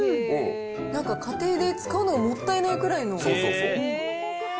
なんか、家庭で使うのもったいないくらいの。